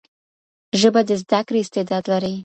ژبه د زده کړې استعداد لري.